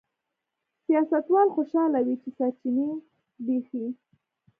سیاستوال خوشاله وي چې سرچینې زبېښي.